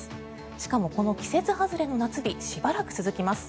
しかもこの季節外れの夏日しばらく続きます。